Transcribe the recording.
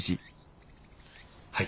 はい。